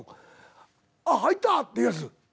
あっ入った！っていうやつ？